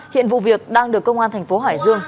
hiện vụ việc đang được công an thành phố hải dương